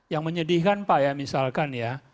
yang menyedihkan pak ya misalkan ya